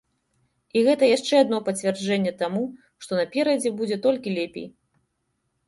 І гэта яшчэ адно пацвярджэнне таму, што наперадзе будзе толькі лепей.